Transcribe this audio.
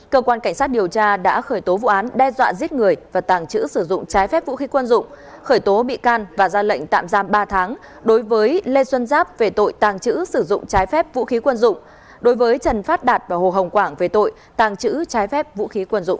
cơ quan cảnh sát điều tra đã khởi tố vụ án đe dọa giết người và tàng trữ sử dụng trái phép vũ khí quân dụng khởi tố bị can và ra lệnh tạm giam ba tháng đối với lê xuân giáp về tội tàng trữ sử dụng trái phép vũ khí quân dụng đối với trần phát đạt và hồ hồng quảng về tội tàng trữ trái phép vũ khí quân dụng